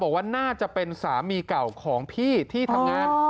บอกว่าน่าจะเป็นสามีเก่าของพี่ที่ทำงาน